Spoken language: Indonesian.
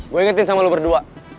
gue ingetin sama lo berdua